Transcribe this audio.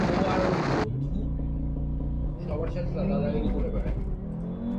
ও আর ওর দুটো বন্ধু সবার সাথে দাদাগিরি করে বেড়ায়।